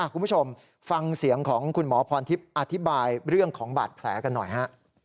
คุณผู้ชมฟังเสียงของคุณหมอพรทิพย์อธิบายเรื่องของบาดแผลกันหน่อยฮะ